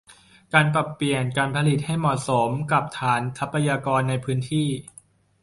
การปรับเปลี่ยนการผลิตให้เหมาะสมกับฐานทรัพยากรในพื้นที่